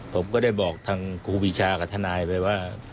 ผมก็ได้บอกกับครูพิชากับธนายค์ว่า